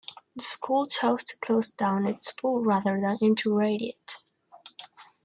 The school chose to close down its pool rather than integrate it.